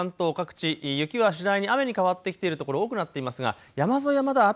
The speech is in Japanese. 関東各地、雪は次第に雨に変わってきている所多くなっていますが山沿いはまだあと